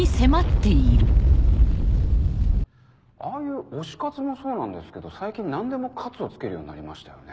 ああいう推し活もそうなんですけど最近何でも「活」をつけるようになりましたよね。